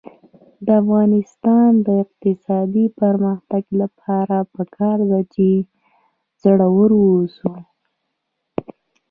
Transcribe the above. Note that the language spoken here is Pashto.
د افغانستان د اقتصادي پرمختګ لپاره پکار ده چې زړور اوسو.